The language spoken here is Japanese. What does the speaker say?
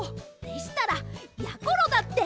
でしたらやころだって！